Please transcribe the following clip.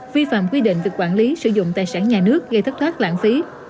vi phạm quy định về quản lý sử dụng tài sản nhà nước gây thất thoát lãng phí